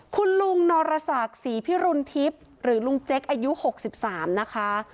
คุณลุงนรศักดิ์ศรีพิรุณทิพย์หรือลุงเจ๊กอายุ๖๓นะคะ